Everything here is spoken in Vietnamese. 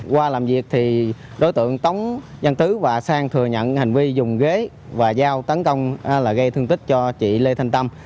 qua làm việc thì đối tượng tống văn tứ và sang thừa nhận hành vi dùng ghế và giao tấn công là gây thương tích cho chị lê thanh tâm